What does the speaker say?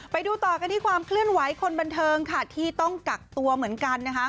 ไปดูต่อกันที่ความเคลื่อนไหวคนบันเทิงค่ะที่ต้องกักตัวเหมือนกันนะคะ